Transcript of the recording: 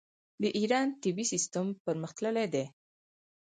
د ایران طبي سیستم پرمختللی دی.